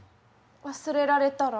忘れられたら？